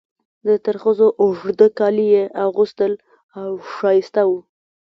د ترخزو اوږده کالي یې اغوستل او ښایسته وو.